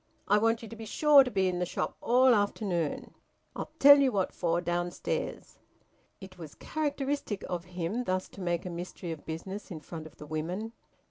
I want ye to be sure to be in the shop all afternoon I'll tell you what for downstairs." It was characteristic of him thus to make a mystery of business in front of the women.